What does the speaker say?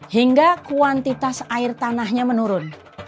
hingga kuantitas air tanahnya menurun